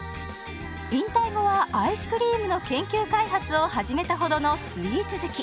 引退後はアイスクリームの研究開発を始めたほどのスイーツ好き。